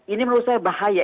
ini menurut saya bahaya